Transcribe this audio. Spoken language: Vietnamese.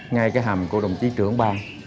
ngay cái hầm của đồng chí trưởng bang